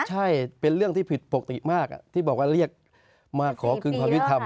ใช่เป็นเรื่องที่ผิดปกติมากที่บอกว่าเรียกมาขอคืนความยุติธรรม